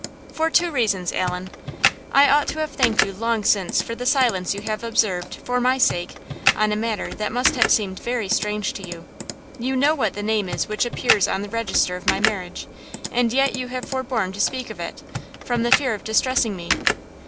"For two reasons, Allan. I ought to have thanked you long since for the silence you have observed, for my sake, on a matter that must have seemed very strange to you. You know what the name is which appears on the register of my marriage, and yet you have forborne to speak of it, from the fear of distressing me.